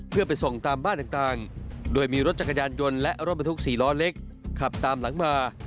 เพื่อไปส่งตามบ้านต่างโดยมีรถจักรยานยนต์และรถบรรทุก๔ล้อเล็กขับตามหลังมา